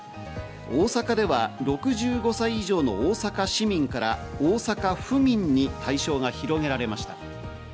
大阪では６５歳以上の大阪市民から大阪府民に対象が広げられました。